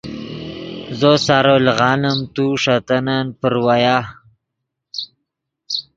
زو سارو لیغانیم تو ݰے تنن پراویا